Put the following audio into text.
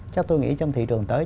chắc tôi nghĩ trong thị trường tới